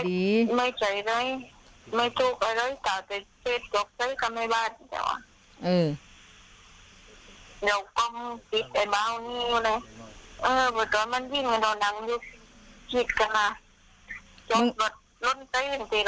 ไม่ใช่เลยไม่ถูกอะไรก็จะเก็บกับเก็บกันในบ้าน